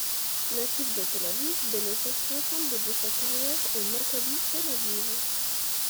Natif de Tel-Aviv, Bello passe l'ensemble de sa carrière au Maccabi Tel-Aviv.